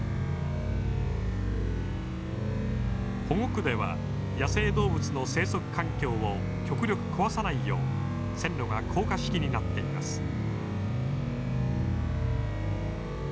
保護区では野生動物の生息環境を極力壊さないよう線路が高架式になっています。